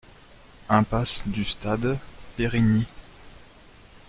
Impasse du Stade, Périgny